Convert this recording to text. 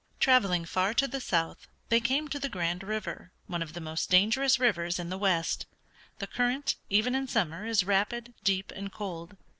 Traveling far to the south they came to the Grand River, one of the most dangerous rivers in the west. The current, even in summer, is rapid, deep, and cold.